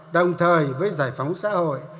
đồng thời với giải phóng xã hội